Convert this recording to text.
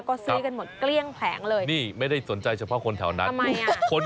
ก็ซื้อกันหมดเกลี้ยงแผงเลยทำไมอ่ะนี่ไม่ได้สนใจเฉพาะคนแถวนั้น